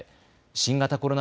新型コロナ